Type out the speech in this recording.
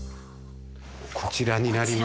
こちらになります。